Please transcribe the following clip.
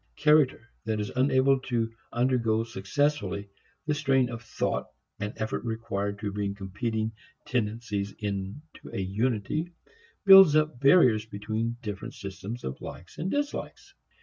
Character that is unable to undergo successfully the strain of thought and effort required to bring competing tendencies into a unity, builds up barriers between different systems of likes and dislikes.